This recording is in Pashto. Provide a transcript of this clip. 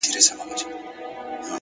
هره ورځ د پرمختګ امکان لري!